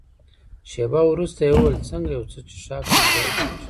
شېبه وروسته يې وویل: څنګه یو څه څیښاک ته دې زړه کېږي؟